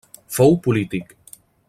Fou polític.